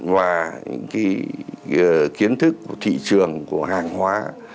và những kiến thức của thị trường của hàng hóa